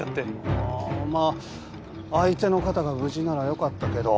ああまあ相手の方が無事ならよかったけど。